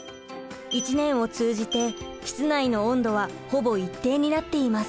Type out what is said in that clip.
一年を通じて室内の温度はほぼ一定になっています。